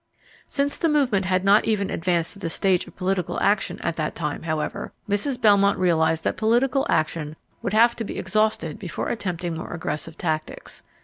Since the movement had not even advanced to the stage of political action at that time, however, Mrs. Belmont realized that political action would have to be exhausted before attempting more aggressive tactics.